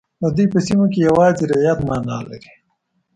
د دوی په سیمو کې یوازې رعیت معنا لري.